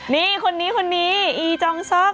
นี่คนนี้คนนี้อีจองซอก